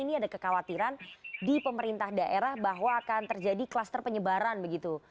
ini ada kekhawatiran di pemerintah daerah bahwa akan terjadi kluster penyebaran begitu